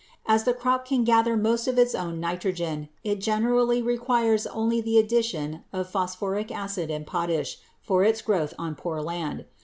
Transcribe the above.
As the crop can gather most of its own nitrogen, it generally requires only the addition of phosphoric acid and potash for its growth on poor land.